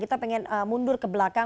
kita ingin mundur ke belakang